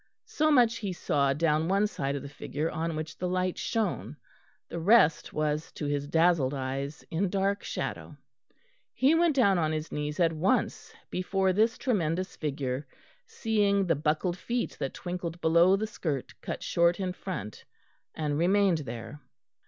So much he saw down one side of the figure on which the light shone; the rest was to his dazzled eyes in dark shadow. He went down on his knees at once before this tremendous figure, seeing the buckled feet that twinkled below the skirt cut short in front, and remained there.